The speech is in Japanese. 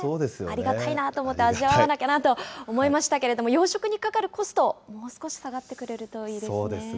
ありがたいなと思って味わわなきゃなと思いましたけれども、養殖にかかるコスト、もう少し下がってくれるといいですね。